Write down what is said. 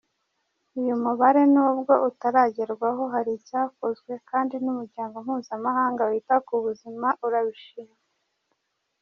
Uyu mubare nubwo utaragerwaho hari icyakozwe kandi n’Umuryango mpuzamahanga wita ku buzima urabishima.